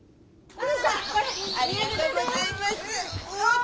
ありがとうございます！